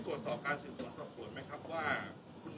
จนกว่าทั้งที่เกิดเวทไปท่านบันเนี่ยคุณโมเนี่ย